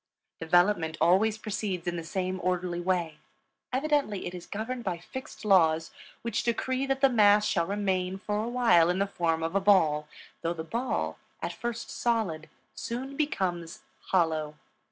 Development always proceeds in the same orderly way; evidently it is governed by fixed laws which decree that the mass shall remain for a while in the form of a ball, though the ball, at first solid, soon becomes hollow.